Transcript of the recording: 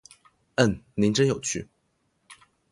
嗯，您真有趣